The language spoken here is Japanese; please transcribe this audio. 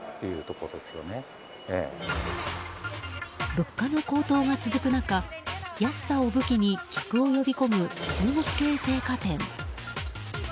物価の高騰が続く中安さを武器に客を呼び込む中国系青果店。